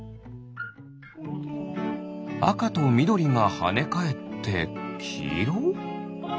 あかとみどりがはねかえってきいろ？